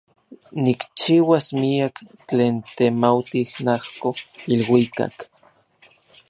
Nikchiuas miak tlen temautij najko iluikak.